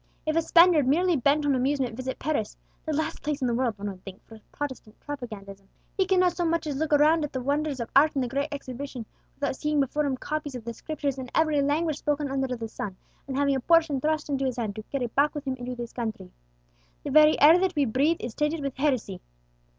If a Spaniard, merely bent on amusement, visit Paris (the last place in the world, one would think, for Protestant propagandism), he cannot so much as look round at the wonders of art in the Great Exhibition, without seeing before him copies of the Scriptures, in every language spoken under the sun, and having a portion thrust into his hand, to carry back with him into this country. The very air that we breathe is tainted with heresy.